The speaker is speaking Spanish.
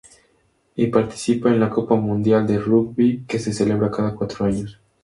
Y participa en la Copa Mundial de Rugby que se celebra cada cuatro años.